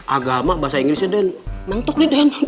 agama bahasa inggrisnya den mantuk nih den